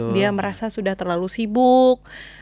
dia merasa sudah terlalu sibuk